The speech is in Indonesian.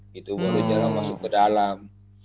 gitu baru jalan masuk ke dalam